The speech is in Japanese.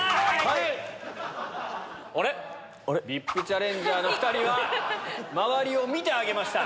ＶＩＰチャレンジャーの２人は周りを見て挙げました。